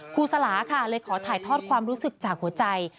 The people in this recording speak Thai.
ครูสลาค่ะเลยขอถ่ายทอดความรู้สึกจากหัวใจ